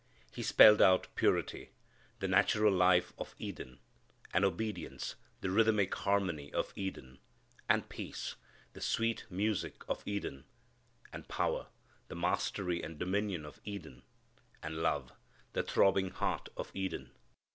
He spelled out purity, the natural life of Eden; and obedience, the rhythmic harmony of Eden; and peace, the sweet music of Eden; and power, the mastery and dominion of Eden; and love, the throbbing heart of Eden.